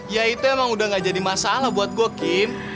ya itu emang udah gak jadi masalah buat go kim